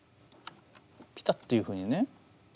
ぴたっというふうにね。